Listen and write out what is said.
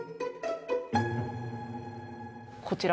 こちら。